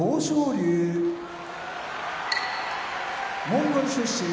龍モンゴル出身